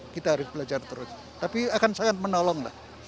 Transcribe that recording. kita harus belajar terus tapi akan sangat menolong lah